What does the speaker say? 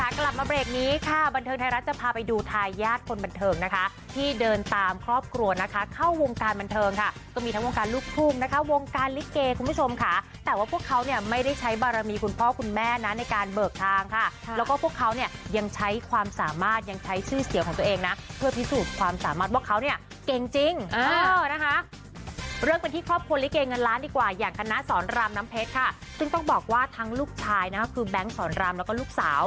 กลับมาเบรกนี้ค่ะบันเทิงไทยรัฐจะพาไปดูทายาทคนบันเทิงนะคะที่เดินตามครอบครัวนะคะเข้าวงการบันเทิงค่ะก็มีทั้งวงการลูกภูมินะคะวงการลิเกคุณผู้ชมค่ะแต่ว่าพวกเขาเนี่ยไม่ได้ใช้บารมีคุณพ่อคุณแม่นะในการเบิกทางค่ะแล้วก็พวกเขาเนี่ยยังใช้ความสามารถยังใช้ชื่อเสียของตัวเองนะเพื่อพิสูจน์ความส